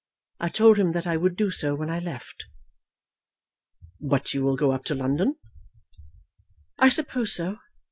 I told him that I would do so when I left." "But you will go up to London?" "I suppose so.